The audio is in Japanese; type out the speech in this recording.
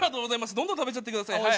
どんどん食べちゃって下さい。